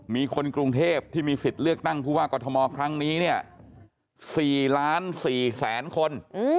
มีคนกรุงเทพที่มีสิทธิ์เลือกตั้งผู้ว่ากรทมครั้งนี้เนี่ย๔๔๐๐๐คน